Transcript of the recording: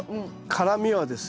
辛みはですね